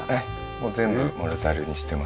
もう全部モルタルにしてます。